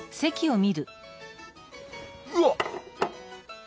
うわっ！